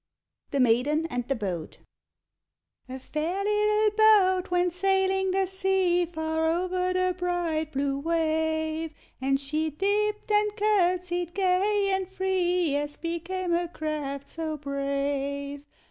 THE MAIDEN AND THE BOAT A fair little boat went sailing the sea, Far over the bright blue wave; And she dipped and curt'sied, gay and free, As became a craft so brave.